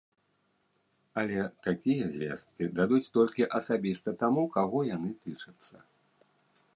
Але такія звесткі дадуць толькі асабіста таму, каго яны тычацца.